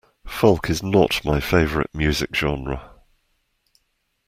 Folk is not my favorite music genre.